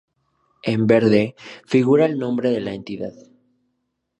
En verde, figura el nombre de la entidad.